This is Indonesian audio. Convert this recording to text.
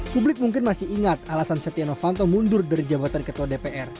publik mungkin masih ingat alasan setia novanto mundur dari jabatan ketua dpr